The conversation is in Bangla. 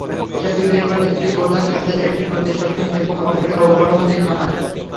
সেতু নির্মাণে দুটি প্রধান কাজের একটি নদী শাসন এবং অপরটি অবকাঠামো নির্মাণ।